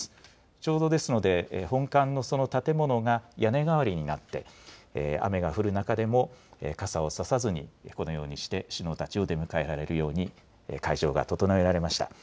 ちょうどですので、本館のその建物が屋根代わりになって、雨が降る中でも、傘を差さずにこのようにして首脳たちを出迎えられるように、会場が整えられました。